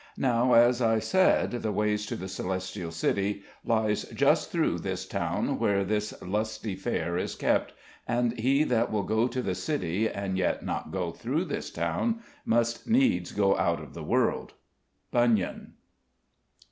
Now, as I said, the way to the Celestial City lies just through this town, where this lusty Fair is kept; and he that will go to the City, and yet not go through this Town, must needs go out of the World._" BUNYAN.